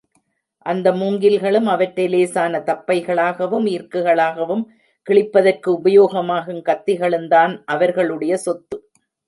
அந்த மூங்கில் களும் அவற்றை லேசான தப்பைகளாகவும், ஈர்க்குகளாகவும் கிழிப்பதற்கு உபயோகமாகும் கத்திகளுந்தாம் அவர்களுடைய சொத்து.